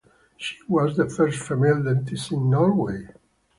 She was the first female dentist in Norway.